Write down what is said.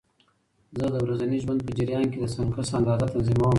زه د ورځني ژوند په جریان کې د سنکس اندازه تنظیموم.